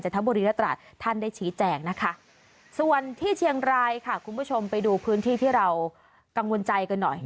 บุรีและตราดท่านได้ชี้แจงนะคะส่วนที่เชียงรายค่ะคุณผู้ชมไปดูพื้นที่ที่เรากังวลใจกันหน่อย